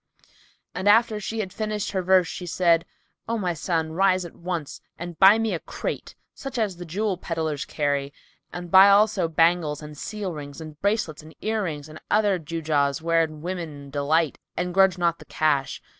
"[FN#293] And after she had finished her verse, she said, "O my son, rise at once and buy me a crate, such as the jewel pedlars carry; buy also bangles and seal rings and bracelets and ear rings and other gewgaws wherein women delight and grudge not the cash.